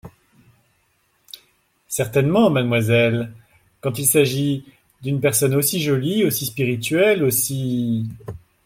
Certainement, mademoiselle… quand il s’agit… d’une personne aussi jolie, aussi spirituelle, aussi…